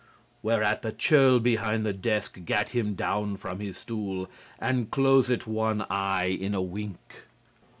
'" Whereat the churl behind the desk gat him down from his stool and closed one eye in a wink.